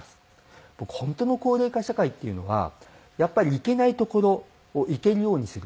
僕本当の高齢化社会っていうのはやっぱり行けない所を行けるようにする。